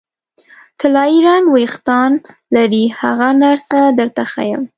طلايي رنګه وریښتان لري، هغه نرسه درته ښیم.